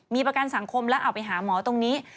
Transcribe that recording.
มีประกันสังคมแล้วเอาไปหาหมอตรงนี้